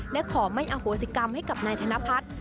และขอไม่อโหสิกรรมให้กับนายธนพัฒน์